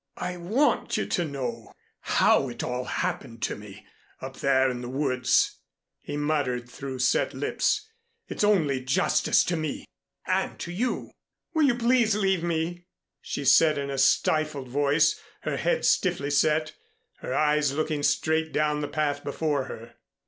"I want you to know how it all happened to me up there in the woods," he muttered, through set lips. "It's only justice to me and to you." "Will you please leave me!" she said, in a stifled voice, her head stiffly set, her eyes looking straight down the path before her.